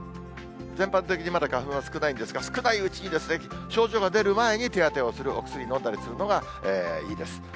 全般的に、まだ花粉は少ないんですが、少ないうちに、症状が出る前に、手当てをする、お薬を飲んだりするのがいいです。